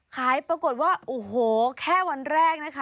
ปรากฏว่าโอ้โหแค่วันแรกนะคะ